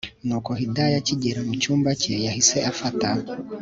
nuko Hidaya akigera mucyumba cye yahise afata